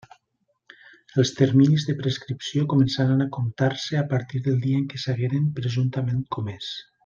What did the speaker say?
Els terminis de prescripció començaran a comptar-se a partir del dia en què s'hagueren presumptament comés.